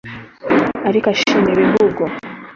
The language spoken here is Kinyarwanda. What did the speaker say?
ariko ashima ibihugu